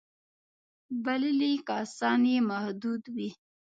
بللي کسان یې محدود وي.